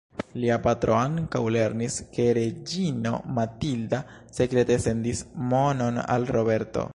Lia patro ankaŭ lernis ke Reĝino Matilda sekrete sendis monon al Roberto.